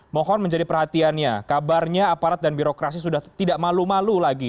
mohon menjadi perhatiannya kabarnya aparat dan birokrasi sudah tidak malu malu lagi